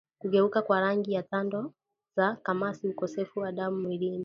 Kugeuka kwa rangi ya tando za kamasi ukosefu wa damu mwilini